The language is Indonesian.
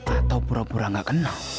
atau pura pura nggak kenal